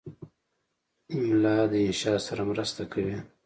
املا د انشا سره مرسته کوي.